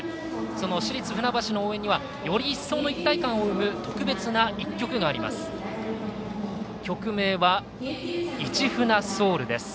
その市立船橋の応援にはより一層の一体感を生む特別な１曲があります。